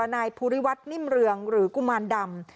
นายภูริวัฒนิ่มเรืองหรือกุมารดำ